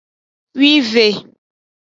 Wive.